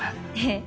ええ。